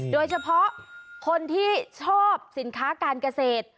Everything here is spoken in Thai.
โดยเฉพาะคนที่ชอบสินค้าการเกษตร